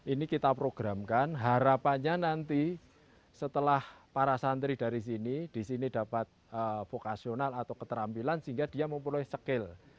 ini kita programkan harapannya nanti setelah para santri dari sini di sini dapat vokasional atau keterampilan sehingga dia mempunyai skill